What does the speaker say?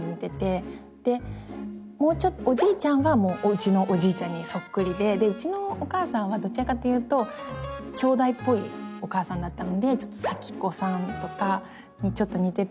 でおじいちゃんはもうおうちのおじいちゃんにそっくりででうちのお母さんはどちらかというときょうだいっぽいお母さんだったのでさきこさんとかにちょっと似てた。